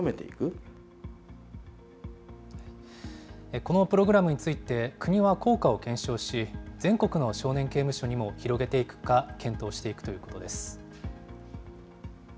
このプログラムについて、国は効果を検証し、全国の少年刑務所にも広げていくか、検討していくということです。